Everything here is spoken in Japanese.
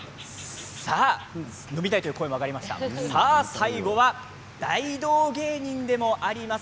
最後は大道芸人でもあります